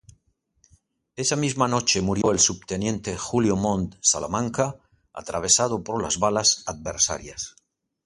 Esa misma noche murió el subteniente Julio Montt Salamanca, atravesado por las balas adversarias.